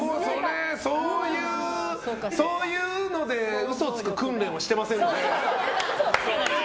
そういうので嘘つく訓練をしてませんので。